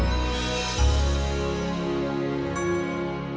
aku akan menggerakkan seluruh